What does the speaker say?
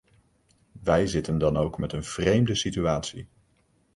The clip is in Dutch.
Wij zitten dan ook met een vreemde situatie.